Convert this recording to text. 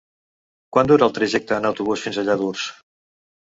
Quant dura el trajecte en autobús fins a Lladurs?